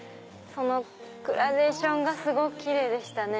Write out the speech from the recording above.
グラデーションがすごくキレイでしたね。